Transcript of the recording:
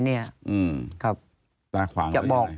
ตาขวางเข้าอยู่ไหน